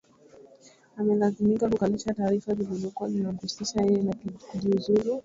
amelazimika kukanusha taarifa zilizokuwa zinamhuzisha yeye na kujiuzulu